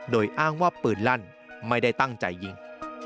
โดยอ้างว่าปืนลั่นไม่ได้ตั้งใจยิง